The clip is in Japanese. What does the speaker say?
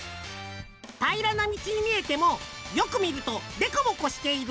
たいらなみちにみえてもよくみるとでこぼこしている。